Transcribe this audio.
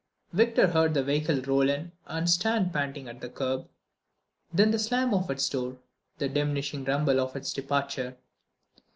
Victor heard the vehicle roll in and stand panting at the curb, then the slam of its door, the diminishing rumble of its departure.